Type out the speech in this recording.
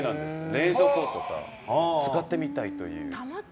冷蔵庫とか使ってみたいという。